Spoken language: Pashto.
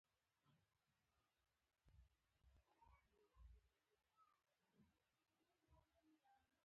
له لږ څه ناڅه مقاومت څخه وروسته شاه زمان کابل پېښور ته پرېښود.